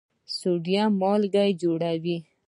د سوډیم مالګه جوړوي.